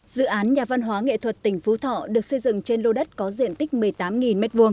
dự án nhà văn hóa nghệ thuật tỉnh phú thọ được xây dựng trên lô đất có diện tích một mươi tám m hai